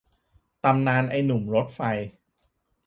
ตำนานไอ้หนุ่มรถไฟ